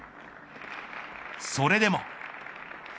それでも。